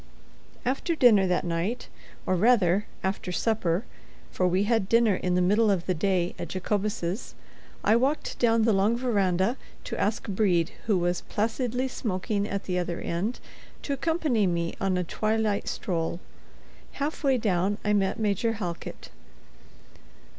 After dinner that night—or rather, after supper, for we had dinner in the middle of the day at Jacobus's—I walked down the long verandah to ask Brede, who was placidly smoking at the other end, to accompany me on a twilight stroll. Half way down I met Major Halkit.